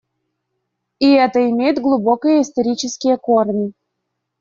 И это имеет глубокие исторические корни.